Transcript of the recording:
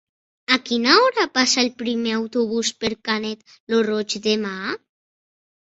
A quina hora passa el primer autobús per Canet lo Roig demà?